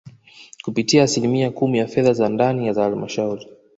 kupitia asilimia kumi ya fedha za ndani za Halmashauri